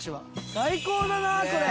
最高だなこれ！